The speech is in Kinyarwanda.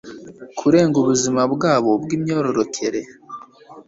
kurengera ubuzima bwabo bw imyororokere